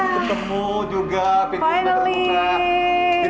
ketemu juga petunjuk yang terbuka